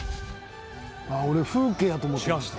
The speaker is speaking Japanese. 「俺風景やと思ってました」